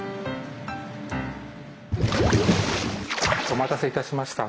お待たせいたしました。